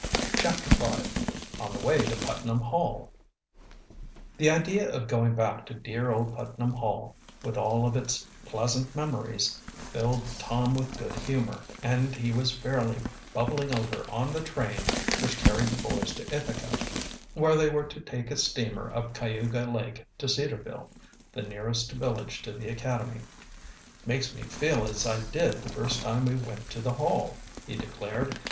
CHAPTER V ON THE WAY TO PUTNAM HALL The idea of going back to dear old Putnam Hall, with all of its pleasant memories, filled Tom with good humor, and he was fairly bubbling over on the train which carried the boys to Ithaca, where they were to take a steamer up Cayuga Lake to Cedarville, the nearest village to the academy. "Makes me feel as I did the first time we went to the Hall," he declared.